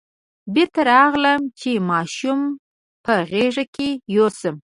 بېرته راغلم چې ماشوم په غېږ کې یوسم.